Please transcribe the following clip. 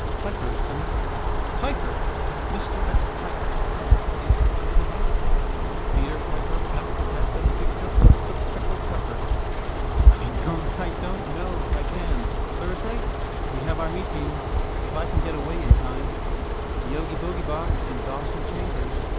Piper is coming. —Piper! Mr Best piped. Is Piper back? Peter Piper pecked a peck of pick of peck of pickled pepper. —I don't know if I can. Thursday. We have our meeting. If I can get away in time. Yogibogeybox in Dawson chambers.